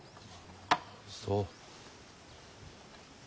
そう。